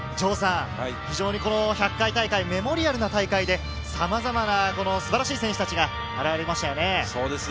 非常に１００回大会、メモリアルな大会でさまざまな素晴らしい選手たちが現れましたね。